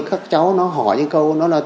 các cháu nó hỏi những câu nó là